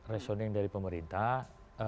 resonan dari pemerintah